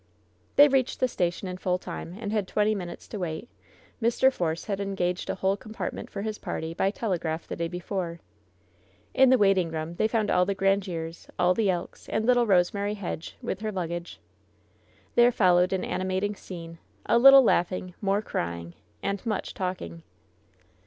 They reached the station in full time, and had twenty minutes to wait. Mr. Force had engaged a whole com partment for his party by tel^raph the day before. In the waiting room they found all the Grandieres, 170 LOVE'S BITTEREST CUP all the Elks, and little Eosemary Hedge, with Her lug gage. There followed an animating scene — ^a little laugh ing, more crying and much talking.